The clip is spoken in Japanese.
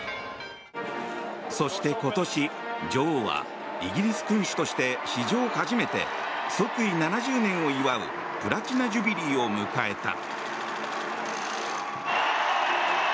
そして今年、女王はイギリス君主として史上初めて即位７０年を祝うプラチナ・ジュビリーを迎えた。